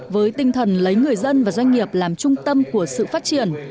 với tinh thần lấy người dân và doanh nghiệp làm trung tâm của sự phát triển